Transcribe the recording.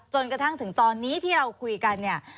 จนกระทั่งถึงตอนนี้ที่เราคุยกันเนี่ย